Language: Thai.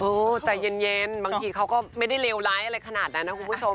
ใจเย็นบางทีเขาก็ไม่ได้เลวร้ายอะไรขนาดนั้นนะคุณผู้ชม